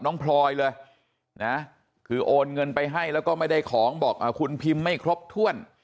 พลอยเลยนะคือโอนเงินไปให้แล้วก็ไม่ได้ของบอกคุณพิมพ์ไม่ครบถ้วน